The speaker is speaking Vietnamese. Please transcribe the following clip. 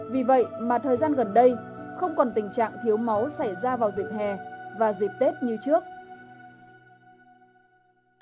vì vậy mà thời gian gần đây không còn tình trạng thiếu máu xảy ra vào dịp hè và dịp tết như trước